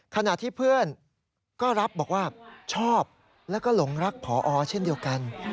ขณะที่เพื่อนก็รับบอกว่าชอบแล้วก็หลงรักผอเช่นเดียวกัน